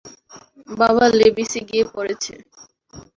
বাবা লেভিসে গিয়ে পড়েছে।